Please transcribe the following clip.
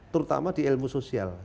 terutama di ilmu sosial